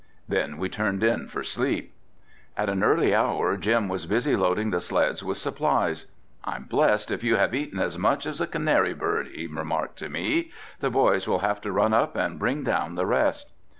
Then we turned in for sleep. At an early hour Jim was busy loading the sleds with supplies. "I'm blessed if you have eaten as much as a canary bird," he remarked to me. "The boys will have to run up and bring down the rest."